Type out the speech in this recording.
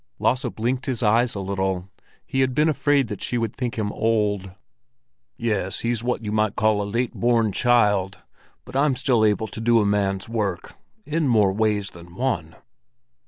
Lasse blinked his eyes a little. He had been afraid that she would think him old. "Yes, he's what you'd call a late born child; but I'm still able to do a man's work in more ways than one."